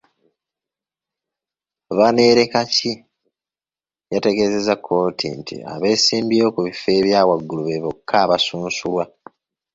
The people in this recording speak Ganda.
Banerekaki yategeezza kkooti nti abeesimbyewo ku bifo ebya waggulu be bokka abasunsulwa.